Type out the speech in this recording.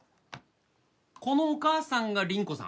このお母さんが倫子さん。